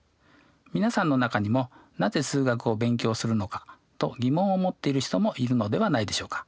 皆さんの中にもなぜ数学を勉強するのかと疑問を持っている人もいるのではないでしょうか？